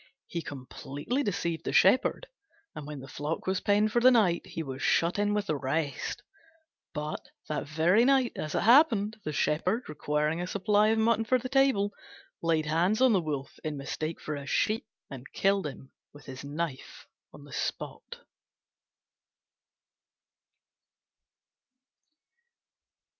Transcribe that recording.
He completely deceived the shepherd, and when the flock was penned for the night he was shut in with the rest. But that very night as it happened, the shepherd, requiring a supply of mutton for the table, laid hands on the Wolf in mistake for a Sheep, and killed him with his knife on the spot.